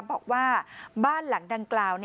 บอกว่าบ้านหลังดังกล่าว